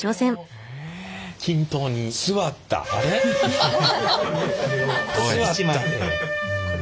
座ったで。